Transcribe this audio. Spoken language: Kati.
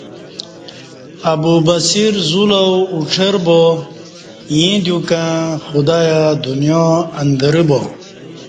ابوبصیر ذو لاؤ اوڄر با ایں دیوکں خدایا دنیا اندرہ با